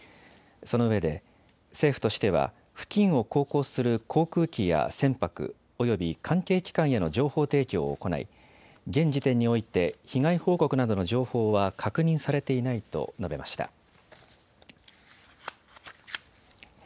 そのうえで、政府としては付近を航行する航空機や船舶、および関係機関への情報提供を行い、現時点において被害報告などの情報は確認されていないと述べました。